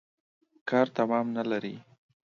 کار تمام نلري.